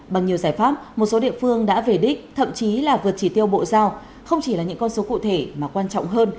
bằng nhiều giải pháp một số địa phương đã về đích thậm chí là vượt chỉ tiêu bộ giao không chỉ là những con số cụ thể mà quan trọng hơn